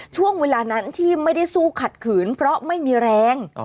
ช่วงเวลานั้นที่ไม่ได้สู้ขัดขืนเพราะไม่มีแรง